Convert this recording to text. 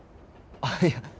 あっいや